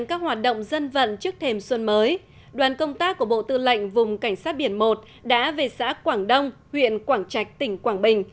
các hoạt động dân vận trước thềm xuân mới đoàn công tác của bộ tư lệnh vùng cảnh sát biển một đã về xã quảng đông huyện quảng trạch tỉnh quảng bình